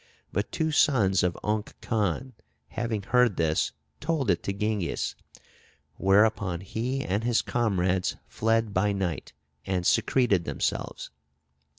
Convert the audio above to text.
But two sons of Unk Khan, having heard this, told it to Tschingys; whereupon he and his comrades fled by night, and secreted themselves.